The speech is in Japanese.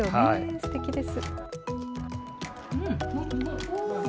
すてきです。